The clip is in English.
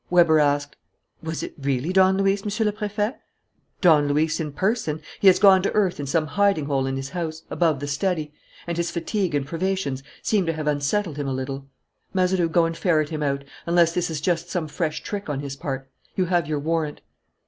Weber asked: "Was it really Don Luis, Monsieur le Préfet?" "Don Luis in person. He has gone to earth in some hiding hole in his house, above the study; and his fatigue and privations seem to have unsettled him a little. Mazeroux, go and ferret him out unless this is just some fresh trick on his part. You have your warrant."